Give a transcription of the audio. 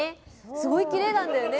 すごいきれいなんだよね。